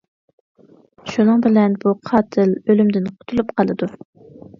شۇنىڭ بىلەن بۇ قاتىل ئۆلۈمدىن قۇتۇلۇپ قالىدۇ.